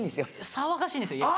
騒がしいんですよ家が。